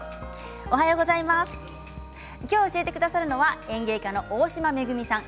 今日教えてくださるのは園芸家の大島恵さん。